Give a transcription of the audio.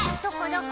どこ？